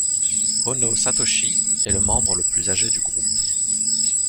Ohno Satoshi est le membre le plus âgé du groupe.